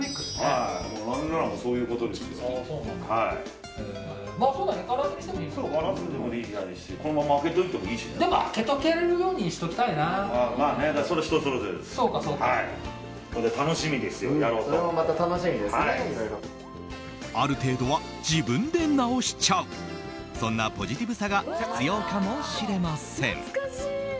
ある程度は自分で直しちゃうそんなポジティブさが必要かもしれません。